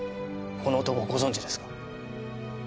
この男ご存じですか？